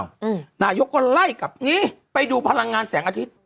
อืมนายกก็ไล่กลับนี่ไปดูพลังงานแสงอาทิตย์